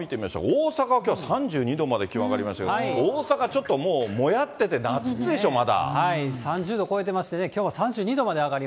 大阪、きょうは３２度まで気温上がりましたけど、大阪、ちょっともうもやってて、夏でしょ、３０度超えてましてね、きょ暑いわ。